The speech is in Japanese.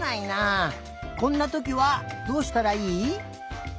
こんなときはどうしたらいい？